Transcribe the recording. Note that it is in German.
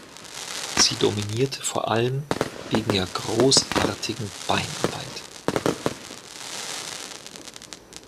Sie dominierte vor allem wegen ihrer großartigen Beinarbeit.